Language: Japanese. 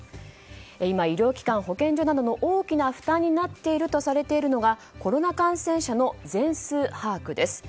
今、医療機関、保健所などの大きな負担となっているとされるのがコロナ感染者の全数把握です。